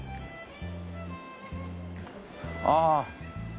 ああ。